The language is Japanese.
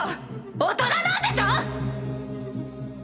大人なんでしょ！